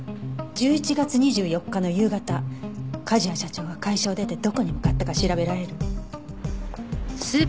１１月２４日の夕方梶谷社長が会社を出てどこに向かったか調べられる？